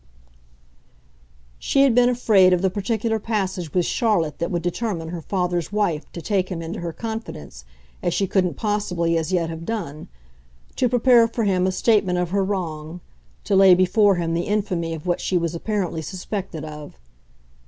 She had been afraid of the particular passage with Charlotte that would determine her father's wife to take him into her confidence as she couldn't possibly as yet have done, to prepare for him a statement of her wrong, to lay before him the infamy of what she was apparently suspected of.